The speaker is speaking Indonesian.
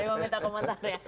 saya mau minta komentarnya